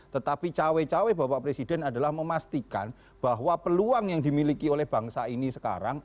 tetapi cawe cawe bapak presiden adalah memastikan bahwa peluang yang dimiliki oleh bangsa ini sekarang